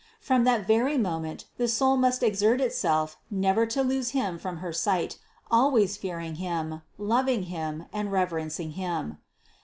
From that very mo ment the soul must exert itself never to lose Him from her sight, always fearing Him, loving Him, and rever encing Him.